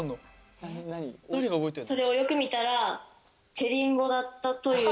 それをよく見たらチェリンボだったという。